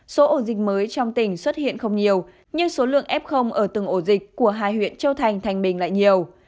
số ổ dịch mới trong tỉnh xuất hiện không nhiều nhưng số lượng f ở từng ổ dịch của hai huyện châu thành thành bình lại nhiều